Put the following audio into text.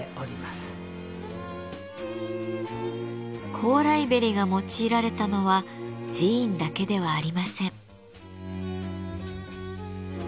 「高麗縁」が用いられたのは寺院だけではありません。